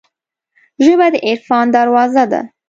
ژبه د عرفان دروازه ده